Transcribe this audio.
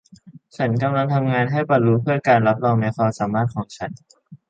ฉันกำลังทำงานให้บรรลุเพื่อการรับรองในความสามารถของฉัน